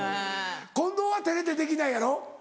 近藤は照れてできないやろ？